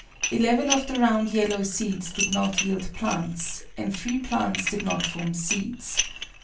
Eleven of the round yellow seeds did not yield plants, and three plants did not form seeds.